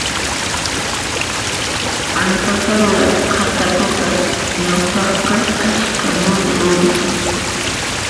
Antaqalla qhatapipas ñawpaqqa askha muña wiñaq